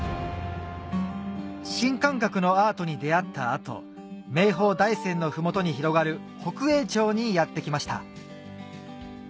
新感覚のアートに出合った後名峰大山の麓に広がる北栄町にやって来ました